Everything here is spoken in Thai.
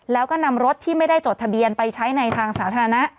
แล้วก็นำรถที่ไม่ได้จดทะเบียนไปใช้ในทางสาธารณะ